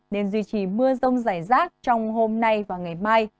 nên duy trì mưa rông rải rác trong hôm nay và ngày mai